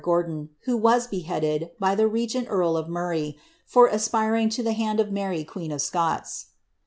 1 galhni lord Gc on, who was beheaded, by the regent earl of Murray, for asjiiring 10 e hand of Mary queen of Scots.